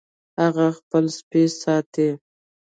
هغه خپل سپی ساتي